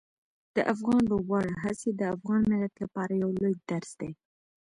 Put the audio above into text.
د افغان لوبغاړو هڅې د افغان ملت لپاره یو لوی درس دي.